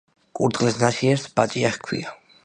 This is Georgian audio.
კურდღლის ნაშიერს ბაჭია ჰქვია.